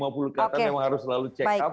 kelihatan memang harus selalu check up